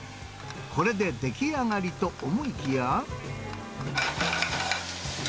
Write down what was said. これで出来上がりと思いきや。